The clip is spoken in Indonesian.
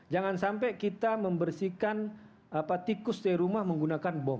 jangan sampai kita membersihkan tikus dari rumah menggunakan bom